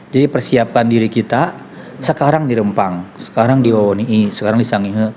jadi persiapkan diri kita sekarang dirempang sekarang diwawoni sekarang disangin